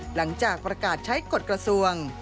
หลังจากประกาศใช้กฎกระทรวง